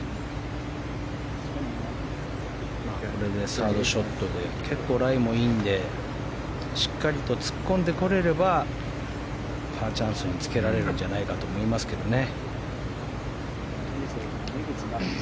サードショットで結構ライもいいのでしっかりと突っ込んでこれればパーチャンスにつけられるんじゃないかと思いますけどね。